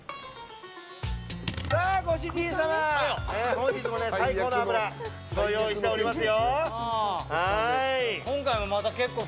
ご主人様、本日も最高の脂ご用意しておりますよ。